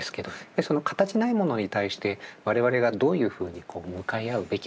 その形ないものに対して我々がどういうふうに向かい合うべきなのか。